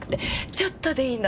ちょっとでいいの。